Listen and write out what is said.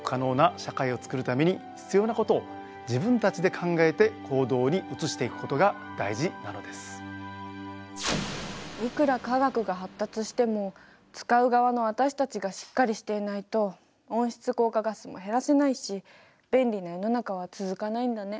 例えばいくら科学が発達しても使う側の私たちがしっかりしていないと温室効果ガスも減らせないし便利な世の中は続かないんだね。